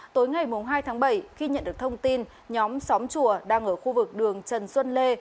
tối ngày hai tháng bảy khi nhận được thông tin nhóm xóm chùa đang ở khu vực đường trần xuân lê